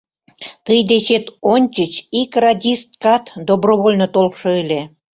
Тый дечет ончыч ик радисткат «добровольно» толшо ыле.